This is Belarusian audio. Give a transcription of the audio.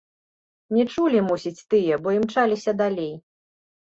Не чулі, мусіць, тыя, бо імчаліся далей.